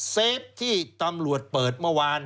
เฟฟที่ตำรวจเปิดเมื่อวาน